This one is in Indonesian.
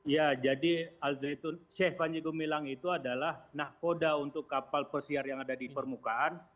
ya jadi al zaitun syekh panjegu milang itu adalah nahkoda untuk kapal persiar yang ada di permukaan